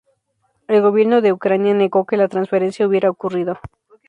El gobierno de Ucrania negó que la transferencia hubiera ocurrido.